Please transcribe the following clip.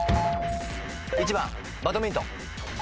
１番バドミントン。